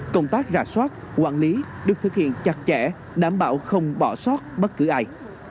công tác rà soát quản lý được thực hiện chặt chẽ đảm bảo không bỏ soát bất cứ ai